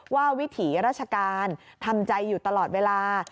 วิถีราชการทำใจอยู่ตลอดเวลา